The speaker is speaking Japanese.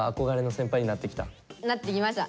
なってきました！